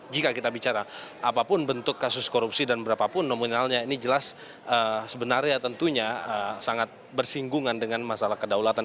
jika kita bicara apapun bentuk kasus korupsi dan berapapun nominalnya ini jelas sebenarnya tentunya sangat bersinggungan dengan masalah kedaulatan